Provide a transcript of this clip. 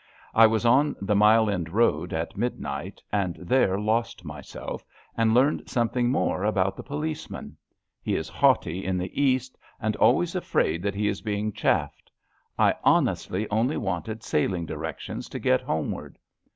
I was on the Mile End Road at midnight and there lost myself, and learned some thing more about the policeman. He is haughty in the East and always afraid that he is being chaffed. I honestly only wanted sailing directions LETTEES ON LEAVE 225 to get homeward.